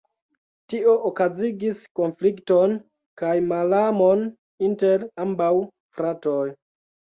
Tio okazigis konflikton kaj malamon inter ambaŭ fratoj.